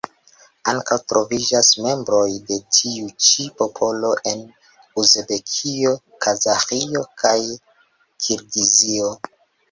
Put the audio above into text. Ankaŭ troviĝas membroj de tiu ĉi popolo en Uzbekio, Kazaĥio kaj Kirgizio.